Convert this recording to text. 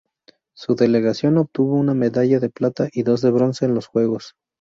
Su delegación obtuvo una medalla de plata y dos de bronce en los juegos.